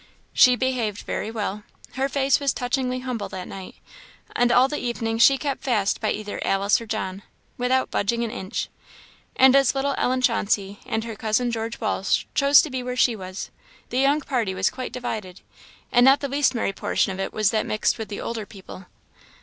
She behaved very well; her face was touchingly humble that night; and all the evening she kept fast by either Alice or John, without budging an inch. And as little Ellen Chauncey and her cousin George Walsh chose to be where she was, the young party was quite divided; and not the least merry portion of it was that mixed with the older people.